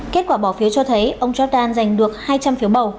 kết quả bỏ phiếu cho thấy ông jordan giành được hai trăm linh phiếu bầu